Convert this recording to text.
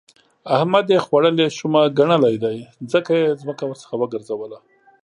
احمد يې خوړلې شومه ګنلی دی؛ ځکه يې ځمکه ورڅخه وګرځوله.